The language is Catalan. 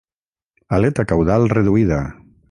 Aleta caudal reduïda.